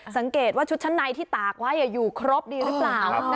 สังเกตว่าชุดชั้นในที่ตากไว้อยู่ครบดีหรือเปล่า